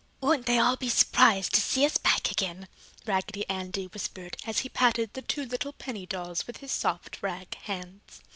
"Won't they all be surprised to see us back again!" Raggedy Andy whispered as he patted the two little penny dolls with his soft rag hands.